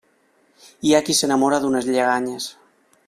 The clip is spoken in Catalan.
Hi ha qui s'enamora d'unes lleganyes.